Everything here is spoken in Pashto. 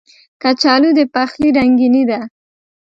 کچالو د پخلي رنګیني ده